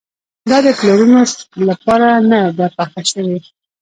دا د پلورلو لپاره نه ده پخه شوې.